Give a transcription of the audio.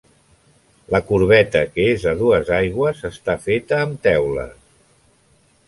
La corbeta que és a dues aigües està feta amb teules.